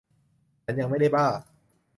ฉันยังไม่ได้บ้า